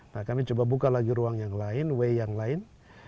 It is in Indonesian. nah kami coba buka lagi ruang yang lain way yang lain